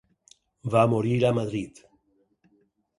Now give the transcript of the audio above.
Va morir a Madrid.